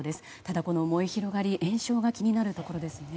ただ、この燃え広がり延焼が気になるところですね。